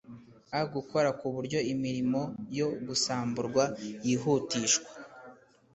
a Gukora ku buryo imirimo yo gusambura yihutishwa